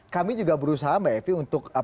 kami juga berusaha mbak evi untuk